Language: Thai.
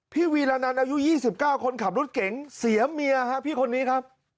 วีรนันอายุ๒๙คนขับรถเก๋งเสียเมียฮะพี่คนนี้ครับ